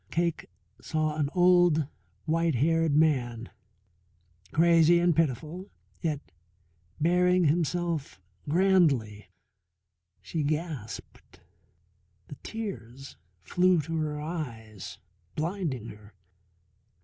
Cake saw an old white haired man, crazy and pitiful, yet bearing himself grandly. She gasped, the tears flew to her eyes, blinding her.